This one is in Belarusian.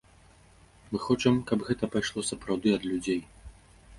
Мы хочам, каб гэта пайшло сапраўды ад людзей.